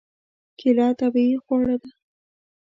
کېله طبیعي خواړه ده.